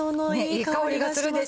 いい香りがするでしょ？